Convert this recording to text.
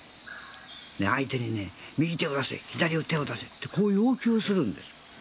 相手に右手を出せ、左手を出せと要求するんです。